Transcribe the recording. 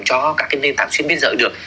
cho các cái nền tảng chuyên biên giới được